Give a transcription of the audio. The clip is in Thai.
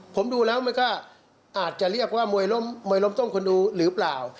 ผมดูแล้วมันก็อาจจะเรียกว่ามวยล้มมวยล้มต้มคนดูหรือเปล่า